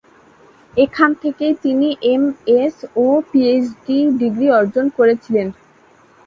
এখান থেকেই তিনি এমএস ও পিএইচডি ডিগ্রী অর্জন করেছিলেন।